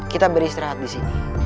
kita beristirahat disini